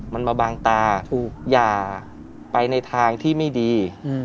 มันมาบางตาถูกหย่าไปในทางที่ไม่ดี